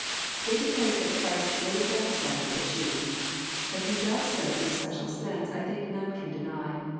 It declares that Christ *< lays down His life for the sheep." That He does so in a special sense I think none can deny.